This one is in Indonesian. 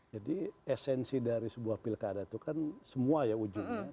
jadi esensi dari sebuah pilkart itu kan semua ya ujungnya